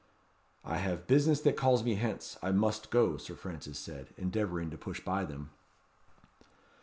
"I have business that calls me hence. I must go," Sir Francis said, endeavouring to push by them.